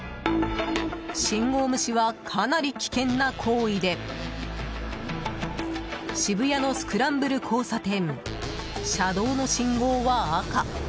信号無視は、かなり危険な行為で渋谷のスクランブル交差点車道の信号は赤。